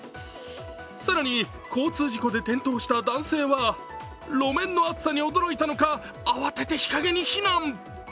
更に交通事故で転倒した男性は路面の熱さに驚いたのか慌てて日陰に避難。